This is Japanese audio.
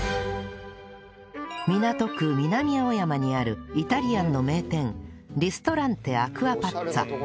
港区南青山にあるイタリアンの名店リストランテアクアパッツァ